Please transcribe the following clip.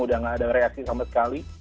udah gak ada reaksi sama sekali